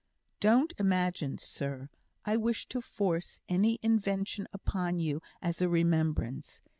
"Don't imagine, sir, I wish to force any invention upon you as a remembrance.